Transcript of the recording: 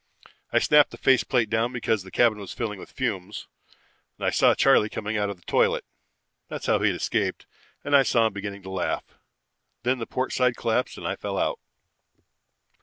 I snapped the face plate down because the cabin was filling with fumes. I saw Charley coming out of the toilet that's how he'd escaped and I saw him beginning to laugh. Then the port side collapsed and I fell out.